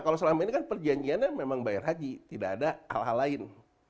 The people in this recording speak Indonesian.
kalau selama ini kan perjanjiannya memang bayar haji tidak ada hal hal lain